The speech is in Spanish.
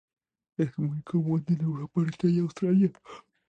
Es muy común en Europa oriental y Australia.